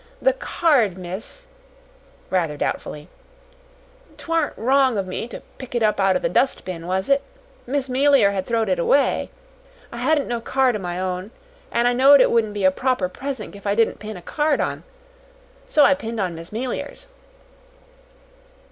The card, miss," rather doubtfully; "'t warn't wrong of me to pick it up out o' the dust bin, was it? Miss 'Meliar had throwed it away. I hadn't no card o' my own, an' I knowed it wouldn't be a proper presink if I didn't pin a card on so I pinned Miss 'Meliar's."